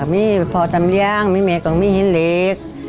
มีพ่อสำเรียงมีเมย์กลงมีเห็นเล็ก